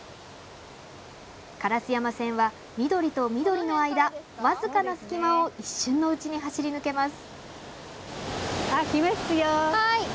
烏山線は、緑と緑の間わずかな隙間を一瞬のうちに走り抜けます。